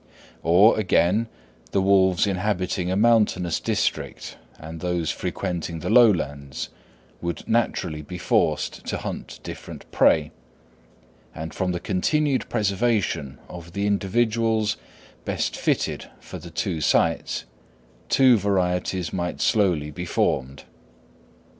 Or, again, the wolves inhabiting a mountainous district, and those frequenting the lowlands, would naturally be forced to hunt different prey; and from the continued preservation of the individuals best fitted for the two sites, two varieties might slowly be formed.